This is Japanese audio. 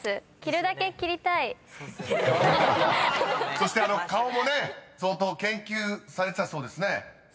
［そしてあの顔もね相当研究されてたそうですね］